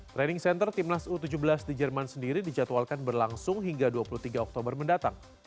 training center timnas u tujuh belas di jerman sendiri dijadwalkan berlangsung hingga dua puluh tiga oktober mendatang